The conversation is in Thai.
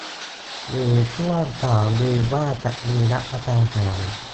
หรือช่วงข่าวลือว่าจะมีรัฐประหาร ?